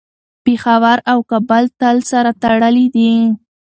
پېښور او کابل تل سره تړلي دي.